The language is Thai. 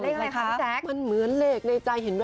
อะไรค่ะแจ๊กมันเหมือนเล็กในใจเว็บ